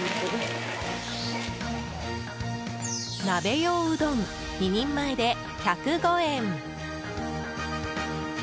鍋用うどん、２人前で１０５円。